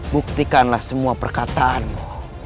buktikanlah semua perkataanmu